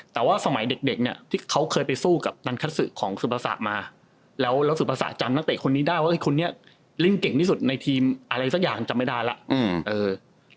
แต่ว่าสมัยเด็กเด็กเนี่ยที่เขาเคยไปสู้กับนันคัทสุของซุปสะมาแล้วแล้วสุภาษาจำนักเตะคนนี้ได้ว่าคนนี้เล่นเก่งที่สุดในทีมอะไรสักอย่างจำไม่ได้แล้ว